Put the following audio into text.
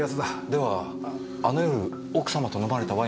ではあの夜奥様と飲まれたワインというのは。